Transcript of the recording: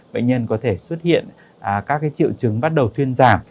bệnh nhân có thể xuất hiện các triệu chứng bắt đầu thuyên giảm